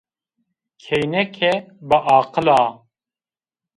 Kêneke biaqil a.